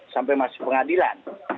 sampai masuk pengadilan